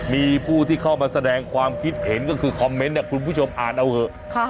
มีผู้ที่เข้ามาแสดงความคิดเห็นก็คือคอมเมนต์เนี่ยคุณผู้ชมอ่านเอาเถอะ